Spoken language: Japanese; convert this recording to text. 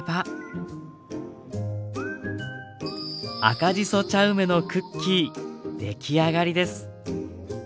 赤じそ茶梅のクッキー出来上がりです。